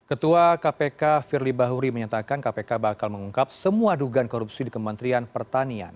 ketua kpk firly bahuri menyatakan kpk bakal mengungkap semua dugaan korupsi di kementerian pertanian